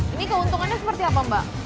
ini keuntungannya seperti apa mbak